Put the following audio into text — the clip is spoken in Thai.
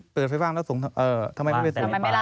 เปิดไปว่างแล้วส่งทำไมไม่รับ